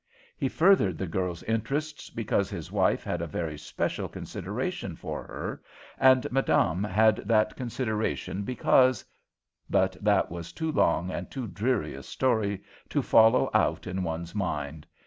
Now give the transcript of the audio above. He furthered the girl's interests because his wife had a very special consideration for her, and Madame had that consideration because But that was too long and too dreary a story to follow out in one's mind.